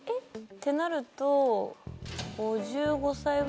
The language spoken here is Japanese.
てなると。